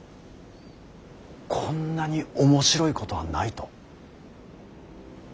こんなに面白いことはないと。